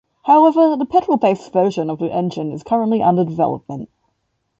However, the petrol-based version of the engine is currently under development.